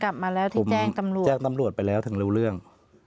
ผมแจ้งตำรวจไปแล้วถึงรู้เรื่อง